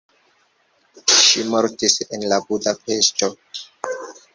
Ŝi mortis la en Budapeŝto.